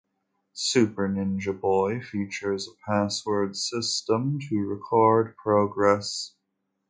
"Super Ninja Boy" features a password system to record progress.